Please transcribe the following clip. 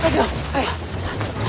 はい！